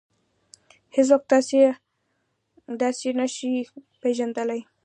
هېڅوک تاسې داسې نشي پېژندلی.